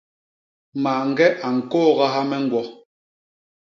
Mañge a ñkôgaha me ñgwo.